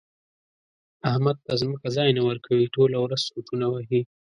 احمد ته ځمکه ځای نه ورکوي؛ ټوله ورځ سوچونه وهي.